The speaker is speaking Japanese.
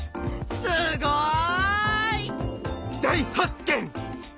すごい！大発見！